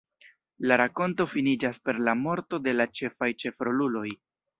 La rakonto finiĝas per la morto de la ĉefaj ĉefroluloj.